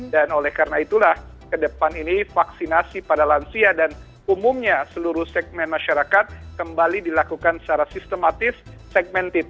dan oleh karena itulah kedepan ini vaksinasi pada lansia dan umumnya seluruh segmen masyarakat kembali dilakukan secara sistematis segmented